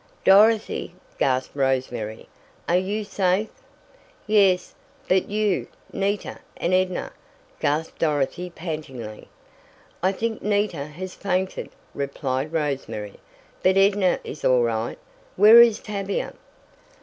"Dorothy!" gasped Rose Mary. "Are you safe!" "Yes, but you Nita and Edna?" gasped Dorothy, pantingly. "I think Nita has fainted," replied Rose Mary. "But Edna is all right. Where is Tavia?"